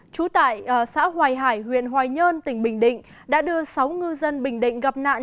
trú tại xã hoài hải huyện hoài nhơn tỉnh bình định đã đưa sáu ngư dân bình định gặp nạn